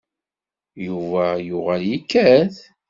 Yuba yuɣal yekkat.